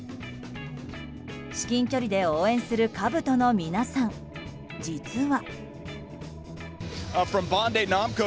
至近距離で応援するかぶとの皆さん、実は。